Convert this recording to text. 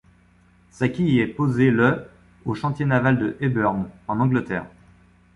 Sa quille est posé le au chantier naval de Hebburn, en Angleterre.